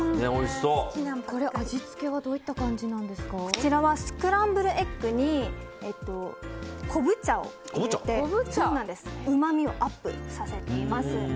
これ、味付けはこちらはスクランブルエッグにこぶ茶を入れてうまみをアップさせています。